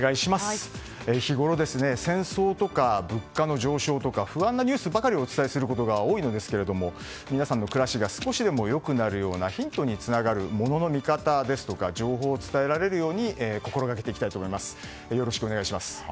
日頃、戦争とか物価の上昇とか不安なニュースばかりをお伝えすることが多いんですが皆さんの暮らしが少しでも良くなるようなヒントにつながるものの見方ですとか情報を伝えられるように心がけていきたいと思います。